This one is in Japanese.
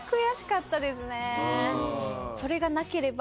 それがなければ。